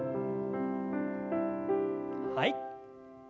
はい。